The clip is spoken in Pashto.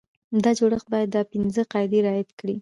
دا جوړښت باید دا پنځه قاعدې رعایت کړي.